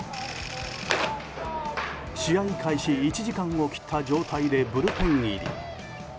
試合開始１時間を切った状態でブルペン入り。